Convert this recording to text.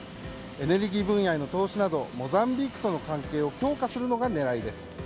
エネルギー分野への投資などモザンビークとの関係を強化するのが狙いです。